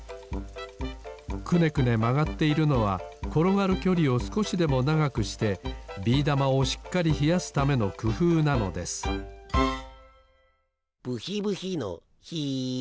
くねくねまがっているのはころがるきょりをすこしでもながくしてビーだまをしっかりひやすためのくふうなのですブヒブヒのヒ。